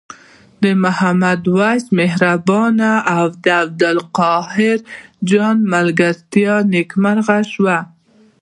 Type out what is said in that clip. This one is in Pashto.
د محمد وېس مهربان او عبدالقاهر جان ملګرتیا نیکمرغه شوه.